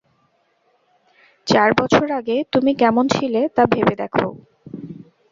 চার বছর আগে তুমি কেমন ছিলে তা ভেবে দেখো।